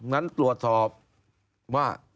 งั้นตรวจสอบว่า